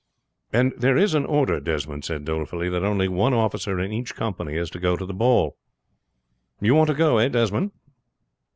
"And there is an order," Desmond said dolefully, "that only one officer in each company is to go to the ball." "You want to go eh, Desmond?"